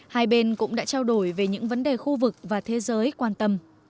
hai bên cũng đã trao đổi về những vấn đề khu vực và thế giới quan tâm